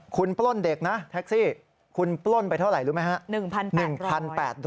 คุณปล้นเด็กนะแท็กซี่คุณปล้นไปเท่าไหร่รู้ไหมครับ